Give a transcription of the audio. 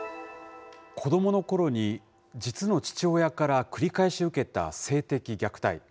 子どものころに実の父親から繰り返し受けた性的虐待。